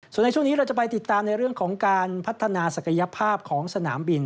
ส่วนในช่วงนี้เราจะไปติดตามในเรื่องของการพัฒนาศักยภาพของสนามบิน